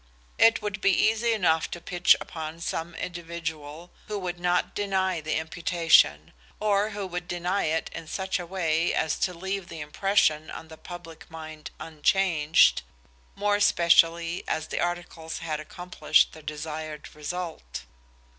It would be easy enough to pitch upon some individual who would not deny the imputation, or who would deny it in such a way as to leave the impression on the public mind unchanged, more especially as the articles had accomplished the desired result.